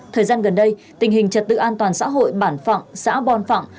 thời gian gần đây tình hình trật tự an toàn xã hội bản phạng xã bon phạng